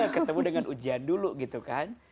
ketemu dengan ujian dulu gitu kan